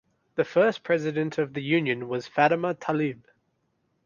The first president of the Union was Fatima Talib.